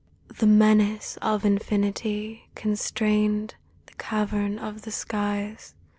The menace of infinity Constrained the cavern of the skies.